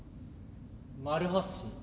丸橋。